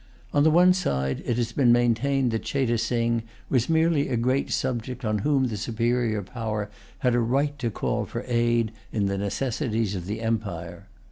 On the one side, it has been maintained that Cheyte Sing was merely a great subject on whom the superior power had a right to call for aid in the necessities of the empire.